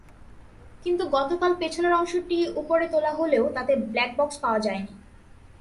কিন্তু গতকাল পেছনের অংশটি ওপরে তোলা হলেও তাতে ব্ল্যাকবক্স পাওয়া যায়নি।